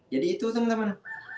jadi itu temen temen